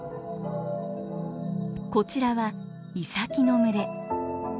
こちらはイサキの群れ。